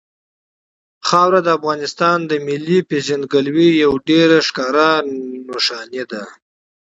خاوره د افغانستان د ملي هویت یوه ډېره ښکاره نښه ده.